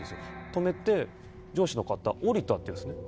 止めて、上司の方降りたって言うんです。